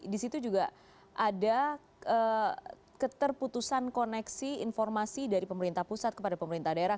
di situ juga ada keterputusan koneksi informasi dari pemerintah pusat kepada pemerintah daerah